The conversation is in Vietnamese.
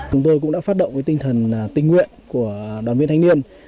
chúng tôi cũng đã phát động tinh thần tình nguyện của đoàn viên thanh niên